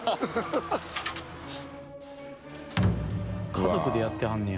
家族でやってはるんや。